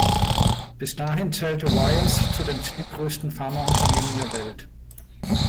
Bis dahin zählte Wyeth zu den zehn größten Pharmaunternehmen der Welt.